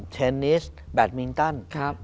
เชนิสแบทมิงตัน